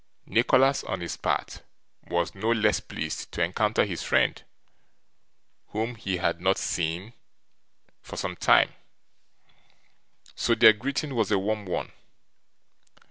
Nicholas, on his part, was no less pleased to encounter his friend, whom he had not seen for some time; so, their greeting was a warm one.